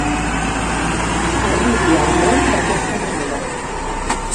Arribi al món d'aquesta manera.